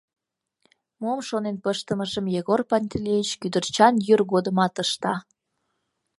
Мом шонен пыштымыжым Егор Пантелеич кӱдырчан йӱр годымат ышта.